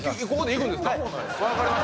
ここでいくんですか？